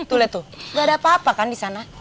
tuh liat tuh gak ada apa apa kan disana